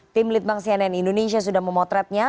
tim litbang cnn indonesia sudah memotretnya